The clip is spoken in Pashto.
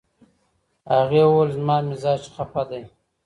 هغې وویل، "زما مزاج خپه دی."